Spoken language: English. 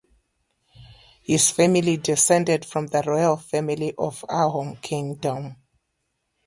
His family has descended from the Royal Family of Ahom Kingdom.